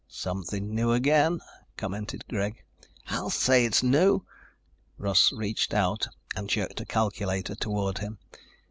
"Something new again," commented Greg. "I'll say it's new!" Russ reached out and jerked a calculator toward him.